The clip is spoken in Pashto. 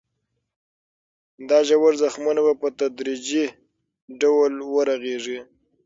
دا ژور زخمونه به په تدریجي ډول ورغېږي.